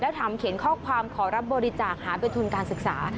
ถามเขียนข้อความขอรับบริจาคหาเป็นทุนการศึกษา